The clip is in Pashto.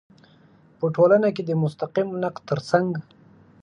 په ټولنه کې د مستقیم نقد تر څنګ